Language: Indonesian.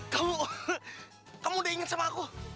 kamu udah inget sama aku